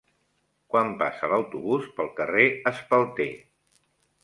Quan passa l'autobús pel carrer Espalter?